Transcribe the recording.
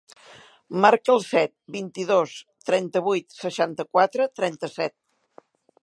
Marca el set, vint-i-dos, trenta-vuit, seixanta-quatre, trenta-set.